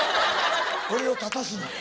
俺を立たすな。